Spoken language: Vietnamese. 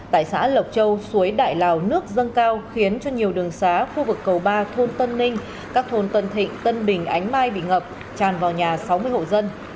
tại xã lộc châu suối đại lào nước dâng cao khiến cho nhiều đường xá khu vực cầu ba thôn tân ninh các thôn tân thịnh tân bình ánh mai bị ngập tràn vào nhà sáu mươi hộ dân